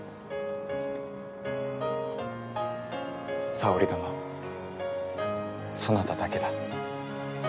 沙織殿そなただけだ。